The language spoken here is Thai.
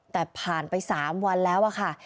แต่ผ่านไป๓วันแล้วอะค่ะ